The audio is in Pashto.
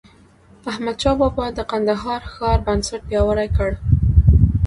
احمدشاه بابا د کندهار ښار بنسټ پیاوړی کړ.